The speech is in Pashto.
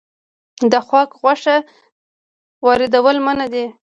د خوګ غوښه واردول منع دي